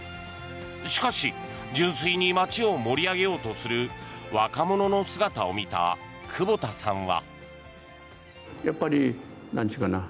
しかし、純粋に街を盛り上げようとする若者の姿を見た久保田さんは。